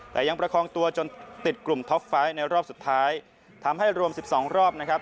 แต่ยังประคองตัวจนติดกลุ่มท็อปไฟต์ในรอบสุดท้ายทำให้รวม๑๒รอบนะครับ